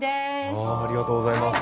ありがとうございます。